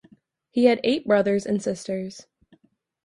He had eight brothers and sisters.